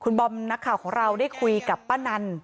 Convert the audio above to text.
คุณบอมนักข่าวของเราได้คุยกับป้านัน